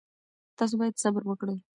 تاسو باید صبر وکړئ.